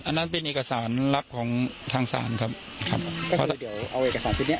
อันนั้นเป็นเอกสารลับของทางศาลครับครับเพราะเดี๋ยวเอาเอกสารชุดเนี้ย